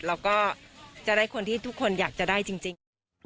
แล้วก็จะได้คนที่ทุกคนอยากจะได้จริง